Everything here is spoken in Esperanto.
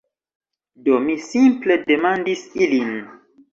Do, mi simple demandis ilin